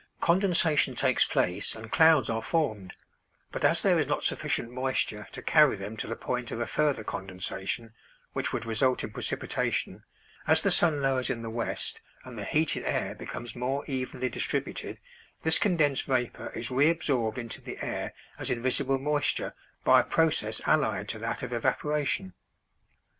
Condensation takes place and clouds are formed, but as there is not sufficient moisture to carry them to the point of a further condensation, which would result in precipitation, as the sun lowers in the west and the heated air becomes more evenly distributed this condensed vapor is reabsorbed into the air as invisible moisture by a process allied to that of evaporation.